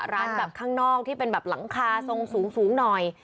ร้านแบบข้างนอกที่เป็นแบบหลังคาทรงสูงหน่อย